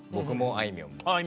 あいみょんもああ